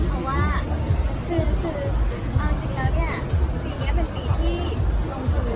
การของการง่ายภาพการเพิ่งจะทำงานเป็นประสบิน